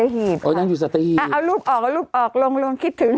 โอ้โฮลูกสาวพี่แฟน